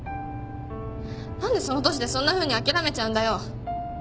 何でその年でそんなふうにあきらめちゃうんだよ。